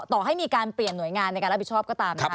ต่อให้มีการเปลี่ยนหน่วยงานในการรับผิดชอบก็ตามนะคะ